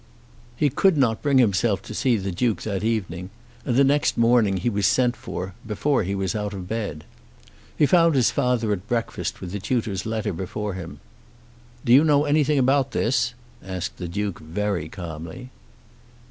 He could not bring himself to see the Duke that evening, and the next morning he was sent for before he was out of bed. He found his father at breakfast with the tutor's letter before him. "Do you know anything about this?" asked the Duke very calmly.